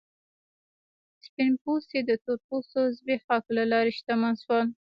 سپین پوستي د تور پوستو زبېښاک له لارې شتمن شول.